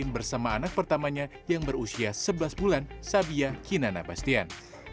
bersama anak pertamanya yang berusia sebelas bulan sabia kinanabastian